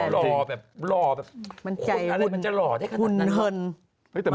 รอแบบมันใจคุณฮันมันจะรอได้ขนาดนั้น